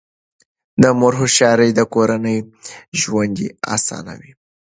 د مور هوښیاري د کورنۍ ژوند اسانوي.